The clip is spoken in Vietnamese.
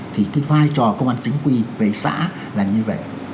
thì cái vai trò công an chính quy về xã là như vậy